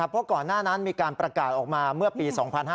เพราะก่อนหน้านั้นมีการประกาศออกมาเมื่อปี๒๕๕๙